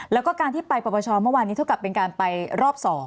แล้วก็การที่ไปปรปชเมื่อวานนี้เท่ากับเป็นการไปรอบ๒